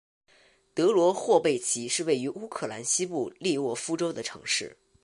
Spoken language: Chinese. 德罗霍贝奇是位于乌克兰西部利沃夫州的城市。